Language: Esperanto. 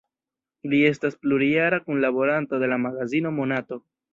Li estis plurjara kunlaboranto de la magazino "Monato".